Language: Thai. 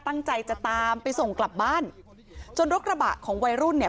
ตั้งใจจะตามไปส่งกลับบ้านจนรถกระบะของวัยรุ่นเนี่ย